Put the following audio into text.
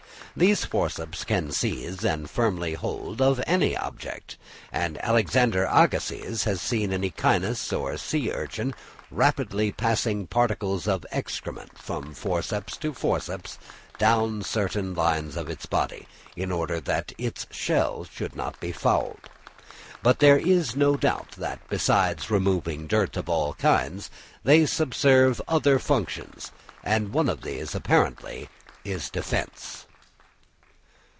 These forceps can seize firmly hold of any object; and Alexander Agassiz has seen an Echinus or sea urchin rapidly passing particles of excrement from forceps to forceps down certain lines of its body, in order that its shell should not be fouled. But there is no doubt that besides removing dirt of all kinds, they subserve other functions; and one of these apparently is defence.